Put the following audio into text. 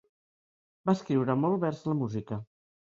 Va escriure molt vers la música.